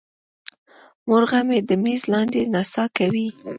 مرغه مې د میز لاندې نڅا کوي.